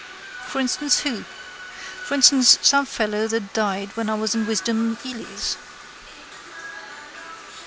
For instance who? For instance some fellow that died when I was in Wisdom Hely's.